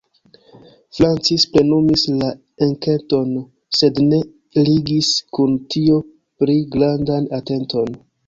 Francis plenumis la enketon, sed ne ligis kun tio pli grandan atenton.